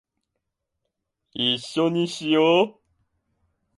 一緒にしよ♡